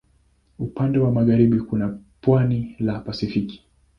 Upande wa magharibi kuna pwani la Pasifiki.